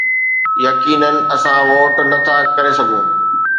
يقينن اسان ووٽ نه ٿا ڪري سگهون